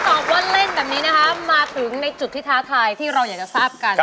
บอกว่าเล่นแบบนี้นะคะมาถึงในจุดที่ท้าทายที่เราอยากจะทราบกัน